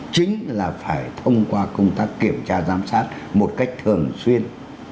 chính là phải thông qua công tác kiểm tra giám sát một cách thường xuyên